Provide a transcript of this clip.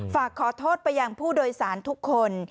ฝากขอโทษไปยังผู้โดยสารทุกคน